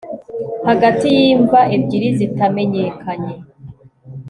hagati y'imva ebyiri zitamenyekanye